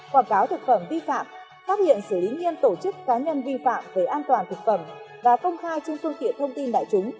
quảng cáo thực phẩm vi phạm phát hiện xử lý nghiêm tổ chức cá nhân vi phạm về an toàn thực phẩm và công khai trên phương tiện thông tin đại chúng